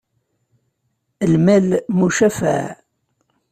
Lmal, mucafaɛ.